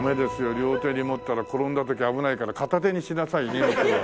両手に持ったら転んだ時危ないから片手にしなさい荷物は。